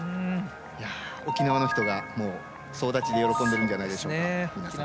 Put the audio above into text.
沖縄の人が、総立ちで喜んでるんじゃないでしょうか皆さん。